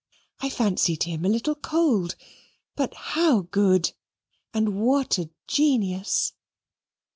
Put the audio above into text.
I fancied him a little cold; but how good, and what a genius!"